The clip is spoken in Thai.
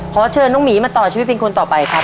ขอเชิญน้องหมีมาต่อชีวิตเป็นคนต่อไปครับ